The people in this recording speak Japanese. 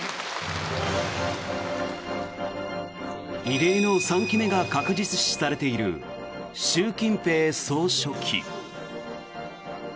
異例の３期目が確実視されている習近平総書記。